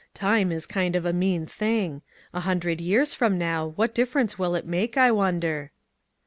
Time is kind of a mean thing. A hundred years from now — what difference will it make, I wonder?"